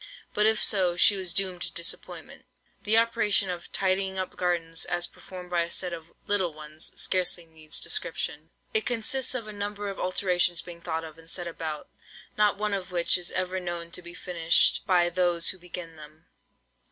But if so, she was doomed to disappointment. The operation of "tidying up gardens," as performed by a set of "little ones," scarcely needs description. It consists of a number of alterations being thought of, and set about, not one of which is ever known to be finished by those who begin them.